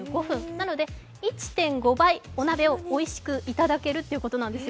なので１．５倍、お鍋をおいしくいただけるということなんです。